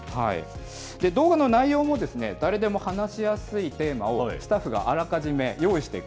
動画の内容もですね、誰でも話しやすいテーマを、スタッフがあらどんなテーマ？